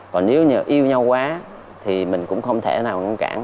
còn nếu như yêu nhau quá thì mình cũng không thể nào ngăn cản